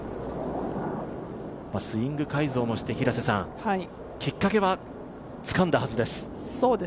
スイング改造もして、きっかけはつかんだはずです。